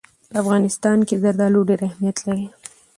په افغانستان کې زردالو ډېر اهمیت لري.